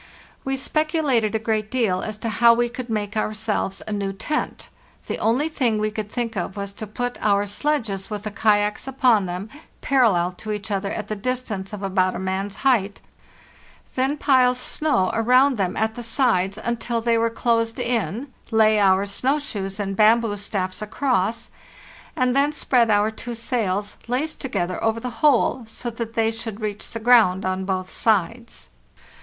We speculated a great deal as to how we could make ourselves a new tent. The only thing we could think of was to put our sledges, with the kayaks upon them, parallel to each other at the distance of about a man's height, then pile snow around them at the sides until they were closed in, lay our snow shoes and bamboo staffs across, and then spread our two sails, laced together, over the whole, so that they should reach the ground on both sides.